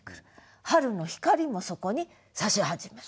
春の光もそこにさし始める。